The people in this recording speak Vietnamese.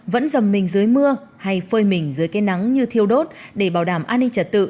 vẫn dầm mình dưới mưa hay phơi mình dưới cây nắng như thiêu đốt để bảo đảm an ninh trật tự